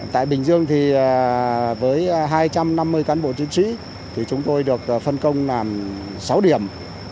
tại bình dương với hai trăm năm mươi cán bộ chiến sĩ thì chúng tôi được phân công làm sáu điểm